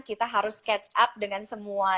kita harus catch up dengan semua